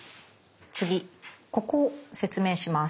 次ここを説明します。